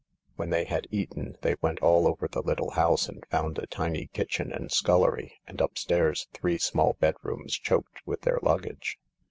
When they had eaten, they went all over the little house and found a tiny kitchen and scullery, and upstairs three small bedrooms choked with their luggage.